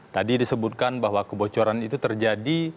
tadi disebutkan bahwa kebocoran itu terjadi